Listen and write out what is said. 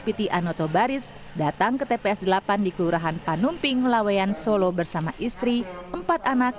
piti anoto baris datang ke tps delapan di kelurahan panumping laweyan solo bersama istri empat anak